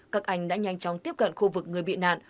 các anh đã nhanh chóng tiếp cận khu vực người bị nạn